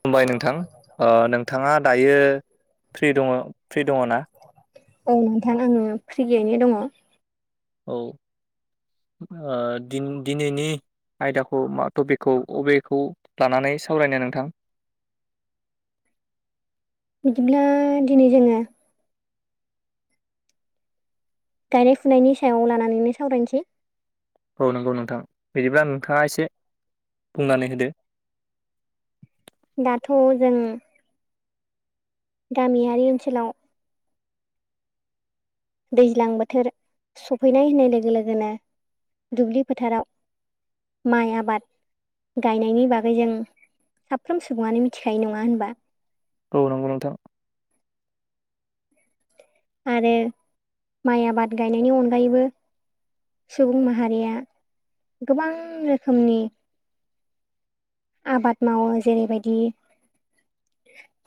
खुलुमबाय नोंथां। ओ नोंथाङा दायो फ्रि दङ फ्रि दङ ना? औ नोंथां आङो फ्रियैनो दङ। औ ओ दिन दिनैनि आयदाखौ टपिकखौ अबेखौ लानानै सावरायनो नोंथां? [inaudible] बिदिब्ला दिनै जोङो गायनाय-फुनायनि सायाव लानानैनो सावरायनोसै। औ नंगौ नोंथां। बिदिब्ला नोंथाङा एसे बुंनानै होदो। [inaudible] दाथ जों गामियारि ओनसोलाव दैज्लां बोथोर सफैनाय होननाय लोगो लोगोनो दुब्लि फोथाराव माइ आबाद गायनायनि बागै जों साफ्रोम सुबुङानो मिथिखायो। नङा होनबा? औ नंगौ नोंथां। आरो माइ आबाद गायनायनि अनगायैबो सुबुं माहारिया गोबां रोखोमनि आबाद मावो जेरै बायदि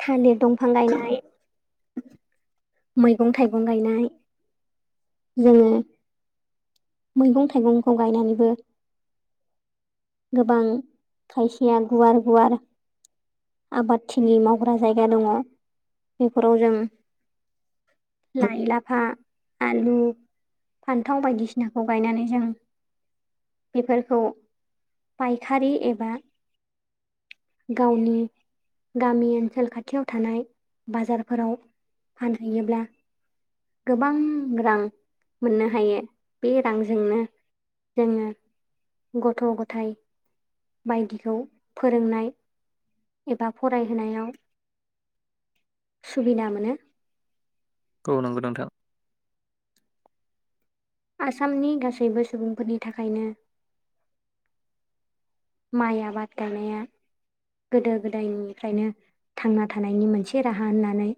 थालिर दंफां गायनाय, मैगं थाइगं गायनाय जोंङो मैगं-थाइगंखौ गायनानैबो गोबां खायसेया गुवार-गुवार आबादथिलि मावग्रा जायगा दङ बेफोराव जों लाइ, लाफा, आलु, फान्थाव बायदिसिनाखौ गायनानै जों बेफोरखौ फायखारि एबा गावनि गामि ओनसोल खाथियाव थानाय बाजारफोराव फानहैयोब्ला गोबां रां मोननो हायो बे रांजोंनो जोङो गथ' गथायाइ बायदिखौ फोरोंनाय एबा फरायहोनायाव सुबिदा मोनो औ नंगौ नोंथां आसामनि गासैबो सुबुंफोरनि थाखायनो माइ आबाद गाइनाया गोदो गोदायनिफ्रायनो थांना थानायनि मोनसे राहा होननानै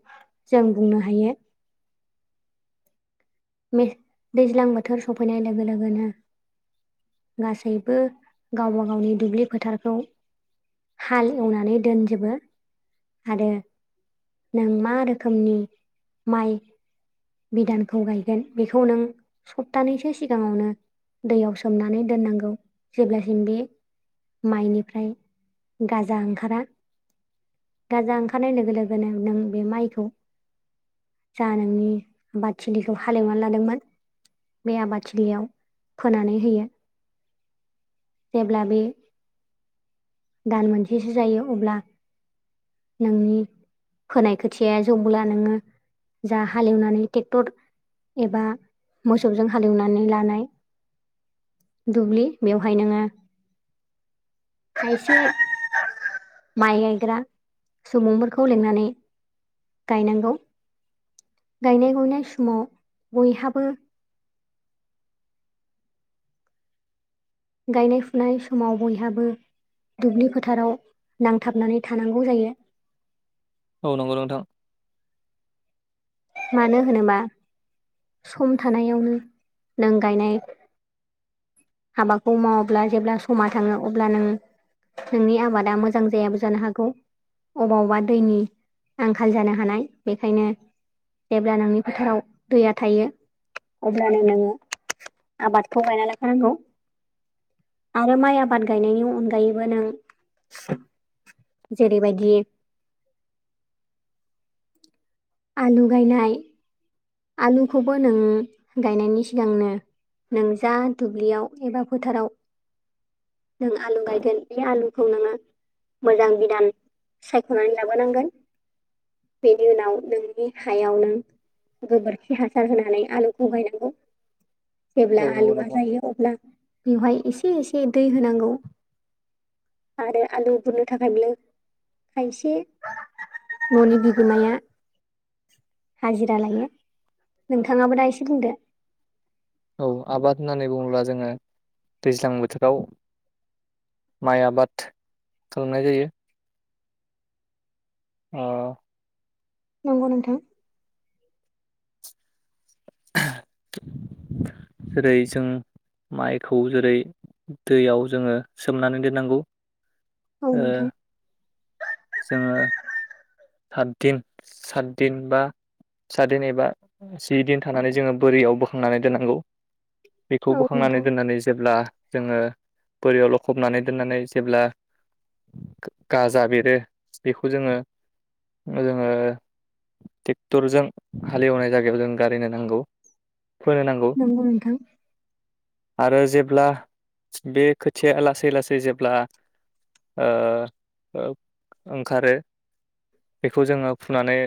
जों बुंनो हायो। [unintelligible] दैज्लां बोथोर सफैनाय लोगो लोगोनो गासैबो गावबा गावनि दुब्लि फोथारखौ हाल एवनानै दोनजोबो आरो। नों मा रोखोमनि माइ बिधानखौ गायगोन बेखौ नों सप्तानैसो सिगाङावनो दैयाव सोमनानै दोननांगौ जेब्लासिम बे माइनिफ्राय गाजा ओंखारा राजाजा ओंखारनाय लोगो लोगोनो नों बे माइखौ जा नोंनि बादथिलिनखौ हालेवनानै लानां गोन बे आबादथिलियाव फोनानै होयो जेब्ला बे दान मोनसेसो जायो अब्ला नोंनि खोनाय खोथिया जौब्ला नोंङो जा हालेवनानै ट्रेक्टर एबा मोसौजों हालेवनानै लानाय दुब्लि बेवहाय नोंङो खायसे माइ गायग्रा सुबुंफोरखौ लिंनानै गायनांगौ गायनाय गुनाय समाव बयहाबो गायनाय फुनाय समाव बयहाबो दुब्लि फोथाराव नांथाबनानै थानांगौ जायो औ नंगौ नोंथां मानो होनोबा सम थानायावनो नों गायनाय हाबाखौ मावोब्ला जेब्ला समा थाङो अब्ला नों नोंनि आबादा मोजां जायाबो जानो हागौ अबा अबेबा दैनि आंखाल जानो हानाय बेखायनो जेब्ला नोंनि फोथाराव दैया थायो अब्लानो नोंङो आबादखौ गायनानै लाखानांगौ आरो माइ आबाद गायनायनि अनगायैबो नों जेरैबायदि [inaudible] आलु गायनाय आलुखौबो नों गायनायनि सिगांनो नों जा दुब्लियाव एबा फोथाराव नों आलु गायगोन बे आलुखौ नोङो। मोजां बिधान सायख'नानै लाबोनांगोन। बेनि उनाव नोंनि हायाव नों गोबोरखि हासार होनानै आलुखौगायनांगौ जेब्ला औ नंगौ आलुआ नोंथां जायो अब्ला बेवहाय एसे एसे दै होनांगौ आरो आलु गुरनो थाखायबो खायसे मनि बिगोमाया हाजिरा ल नोंथाङाबो दा एसे बुंदो औ आबाद होननानै बुङोब्ला जोङो दैज्लां बोथोराव माइ आबाद खालामनाय जायो औ। नंगौ नोंथां, जेरै जों, माइखौ जेरै दैयाव जोङो सोमनानै दोननांगौ आ ओ नथां, जोङो सतदिन सातदिन बा साादन एबा जि दिन थानानै जोङो बोरियाव बोखांनानै दोननांगौ, बेखौ औ बोखांनानै नोंथां दोननानै जेब्ला जोङो बोरियावल'खबनानै दोननानै जेब्ला गाजा बेरो बेखौ जोङो जोङो ट्रेक्टरजों हालेवनाय जायगायाव जों गारिनो नांगौ फोनो नांगौ नंगौ नोंथां, आरो जेब्ला बे खोथिया लासै लासै जेब्ला ओ अओंखारो बेखौ जोङो फुनानै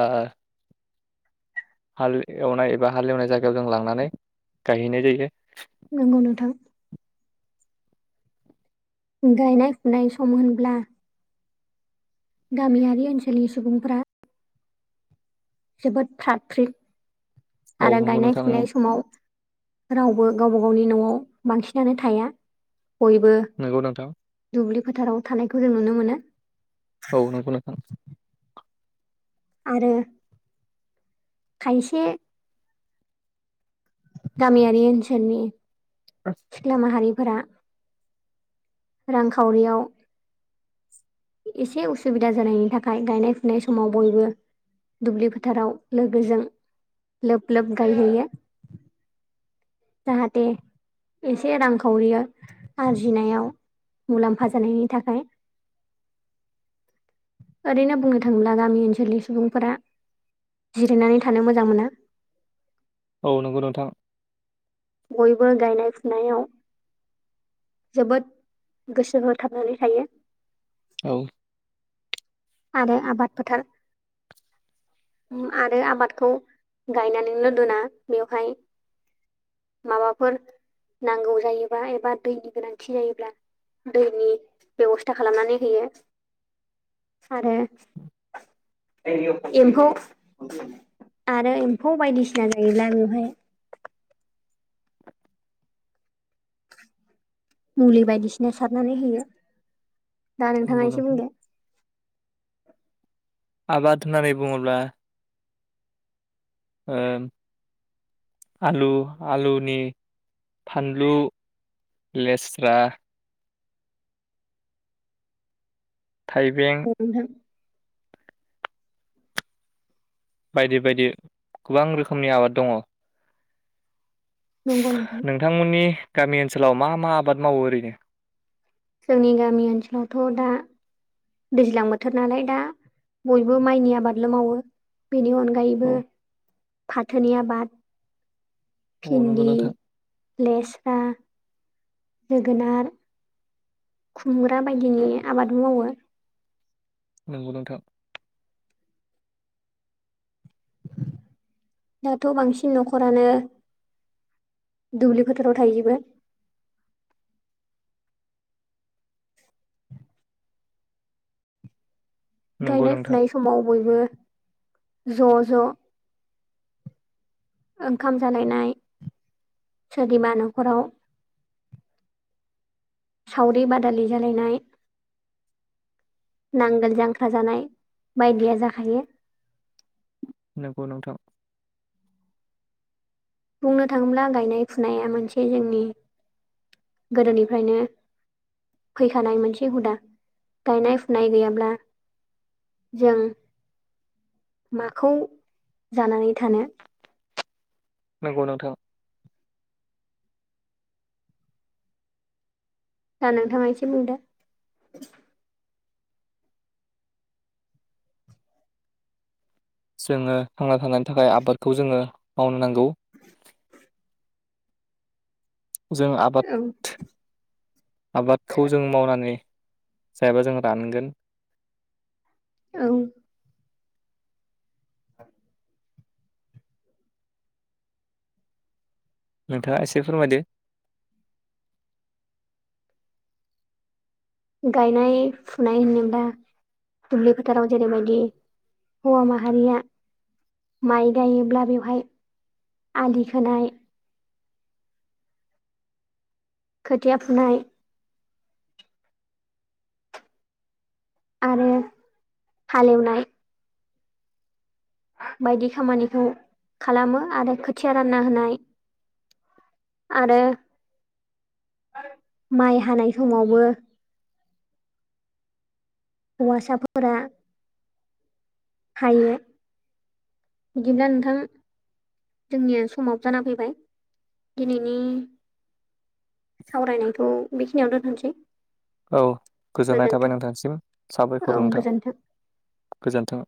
ओ हाल एवनाय एबा हाल एवनाय जायगायाव जों लांनानै गायहैनाय जायो। नंगौ नोंथां। गायनाय फुनाय सम होनब्ला गामियारि ओनसोलनि सुबुंफोरा जोबोद फ्रात फ्रित औ आरो नंगौ गायनाय नोंथां फुनाय समाव रावबो गावबा गावनि न'आव बांसिनानो थाया। बयबो नंगौ नोंथां दुब्लि फोथाराव थानायखौ जों नुनो मोनो औ नोंगौ नोंथां आरो, खायसे गामियारि ओनसोलनि सिख्ला माहारिफोरा रांखावरियाव एसे उसुबिदा जानायनि थाखाय गायनाय फुनाय समाव बयबो दुब्लि फोथाराव लोगोजों लोब लोब गायहैयो। जाहाथे, एसे रांखावरि आरजिनायाव मुलाम्फा जानायनि थाखाय। [inaudible] ओरैनो बुंनो थाङोब्ला गामि ओनसोलनि सुबुंफोरा जिरायनानै थानो मोजां मोना। औ नंगौ नोंथां। बयबो गायनाय फुनायाव जोबोद गोसो होथाबनानै थायो। औ। आदे आ बादपथार। आरो आबादखौ गायनानैल' दोना बेवहाय माबाफोर नांगौ जायोबा एबा दैनि गोनांथि जायोब्ला दैनि बेबस्था खालामनानै होयो। [inaudible] आरो एम्फौ, आरो एम्फौ बायदिसिना जायोब्ला बेवहाय, मुलि बायदिसिना सारनानै होयो। दा नोंथाङा नंगौ एसे नोंथां बुंदो, ! आबाद होननानै बुङोब्ला, ओ, आलु आलुनि फानलु लेस्रा थाइबें औ नोंथां बायदि बायदि गोबां रोखोमनि आबाद दङ नंगौ नोंथां नोंथांमोननि गामि ओनसोलाव मा मा आबाद मावो ओरैनो जोंनि गामि ओनसोलावथ' दा दैज्लां बोथोर नालाय दा बयबो माइनि आबादल' मावो बेनि औ अनगायैबो फाथोनि आबाद अ नोंगो भिन्दि नोंथां लेस्रा जोगोनार खुमग्रा बायदिनि आबाद मावो नंगौ नोंथां दाथ' बांसिन न'खरानो दुब्लि फोथाराव थायैजोबो नंगौ गायनाय नोंथां फुनाय समाव बयबो ज' ज' ओंखाम जालायनाय सोरनिबा न'खराव सावरि बादालि जालायनाय नांगोल जांख्रा जानाय बायदिया जाखायो। नोंगौ नोंथां बुंनो थाङोब्ला गायनाय फुनाया मोनसे जोंनि गोदोनिफ्रायनो फैखानाय मोनसे हुदा गायनाय फुनाय गैयाब्ला जों माखौ जानानै थानो नोंगौ नोंथां दा नोंथाङा एसे बुंदो। जोङो थांना थानायनि थाखाय आबादखौ जोङो मावनो नांगौ। जों औ आबाद आबादखौ जों मावनानै जायाबा जों रानगोन। औ नोंथाङा एसे फोरमायदो। गायनाय फुनाय होनोब्ला दुब्लि फोथाराव जेरैबायदि हौवा माहारिया माइ गायोब्ला बेवहाय आलि खोनाय खोथिया फुनाय आरो हालेवनाय बायदि खामानिखौ खालामो आरो खोथिया रानना होनाय आरो माइ हानाय समावबो हौवासाफोरा हायो बिदिब्ला नोंथां जोंनिया समाबो जाना फैबाय दिनैनि सावरायनायथ' बेखिनियावनो दोनथनोसै औ गोजोननाय थाबाय नोंथांसिम साबायखर औ नोंथां गोजोन्थों गोजोन्थों